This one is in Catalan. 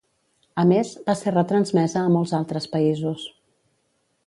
A més, va ser retransmesa a molts altres països.